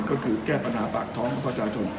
ก็คือแก้ปัญหาปากท้องของประชาชน